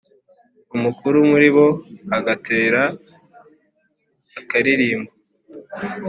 Umukuru muri bo agatera akaririmbo